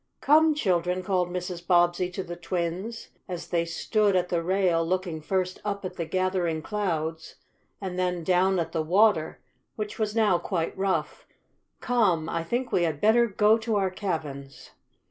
"Come, children!" called Mrs. Bobbsey to the twins, as they stood at the rail, looking first up at the gathering clouds and then down at the water, which was now quite rough. "Come! I think we had better go to our cabins."